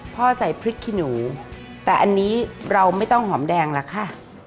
ใส่พริกขี้หนูแต่อันนี้เราไม่ต้องหอมแดงล่ะค่ะ